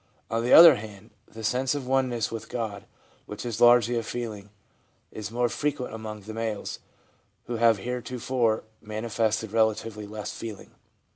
On the other hand, the sense of oneness with God, which is largely a feeling, is more frequent among the males, who have heretofore manifested relatively less feeling.